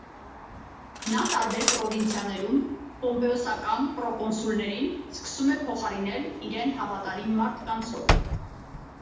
Նա տարբեր պրովինցիաներում պոմպեոսական պրոկոնսուլներին սկսում է փոխարինել իրեն հավատարիմ մարդկանցով։